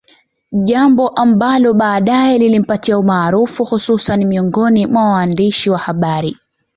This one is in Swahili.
Jambo ambalo baadae lilimpatia umaarufu hususan miongoni mwa waandishi wa habari